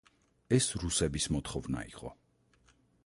ეს რუსების მოთხოვნა იყო.